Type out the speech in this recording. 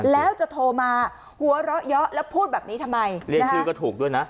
แล้วจะโทรมาหัวเราะเยอะแล้วพูดแบบนี้ทำไมเรียกชื่อก็ถูกด้วยนะ